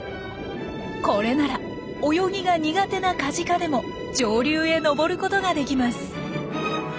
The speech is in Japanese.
これなら泳ぎが苦手なカジカでも上流へ上ることができます。